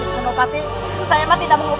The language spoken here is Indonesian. saya emang tidak mengutuk